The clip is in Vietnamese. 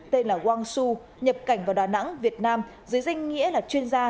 tên là wang su nhập cảnh vào đà nẵng việt nam dưới danh nghĩa là chuyên gia